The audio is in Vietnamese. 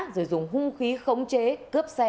rồi dùng hung khí khống chế cướp xe